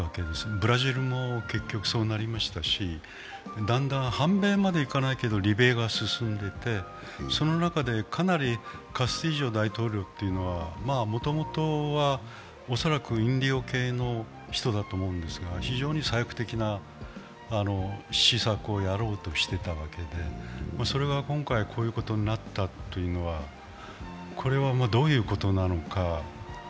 ブラジルも結局そうなりましたしだんだん反米まではいかないけど離米が進んでいて、その中でかなりカスティジョ大統領というのはもともとは恐らくインディオ系の人だと思うんですが、非常に左翼的な施策をやろうとしていたわけでそれが今回こういうことになったというのは、どういうことなのか。